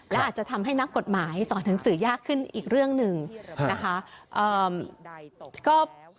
และอาจจะทำให้นักกฎหมายสอนหนังสือยากขึ้นอีกเรื่องหนึ่งนะคะ